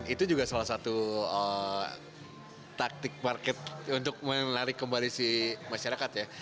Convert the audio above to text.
itu juga salah satu taktik market untuk menarik kembali si masyarakat ya